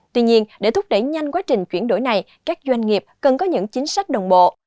tuy nhiên để thúc đẩy nhanh quá trình chuyển đổi này các doanh nghiệp cần có những chính sách đồng bộ